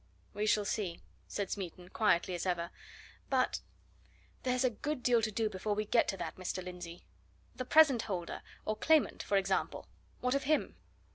"We shall see," said Smeaton, quietly as ever. "But there's a good deal to do before we get to that, Mr. Lindsey! The present holder, or claimant, for example? What of him?"